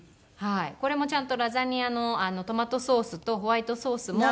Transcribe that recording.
これもちゃんとラザニアのトマトソースとホワイトソースも。